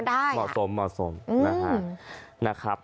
แต่เขาก็ได้ค่ะเหมาะสมนะครับ